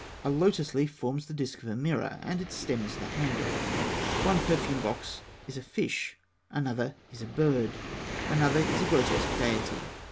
A lotus leaf forms the disk of a mirror, and its stem is the handle. One perfume box is a fish, another is a bird, another is a grotesque deity.